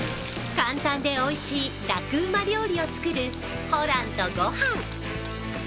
簡単でおいしいラクうま料理を作る「ホランとごはん」。